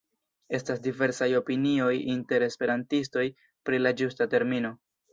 Estas diversaj opinioj inter esperantistoj pri la ĝusta termino.